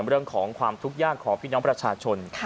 เรื่องของความทุกข์ยากของพี่น้องประชาชน